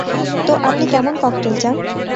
তো আপনি কেমন ককটেল চান?